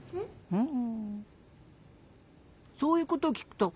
うん。